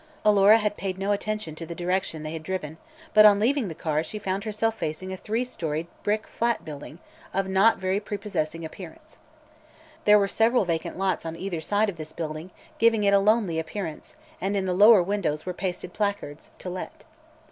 Alora had paid no attention to the direction they had driven but on leaving the car she found herself facing a three storied brick flat building of not very prepossessing appearance. Then were several vacant lots on either side of this building, giving it a lonely appearance, and in the lower windows were pasted placards: "To Let."